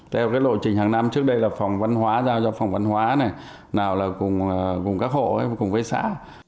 theo cái lộ trình hàng năm trước đây là phòng văn hóa giao cho phòng văn hóa này nào là cùng các hộ cùng với xã